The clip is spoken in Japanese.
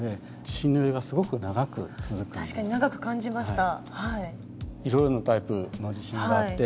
確かに長く感じました。